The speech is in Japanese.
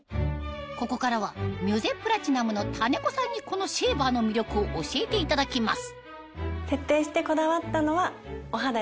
ここからはミュゼプラチナムの種子さんにこのシェーバーの魅力を教えていただきます